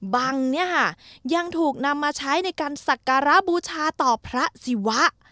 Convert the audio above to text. บังยังถูกนำมาใช้ในการสักการะบูชาต่อพระสิวะ